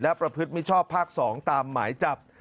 และประพฤติมิชชอบภาค๒ตามหมายจับ